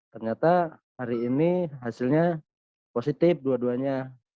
ternyata hari ini hasilnya positif dua duanya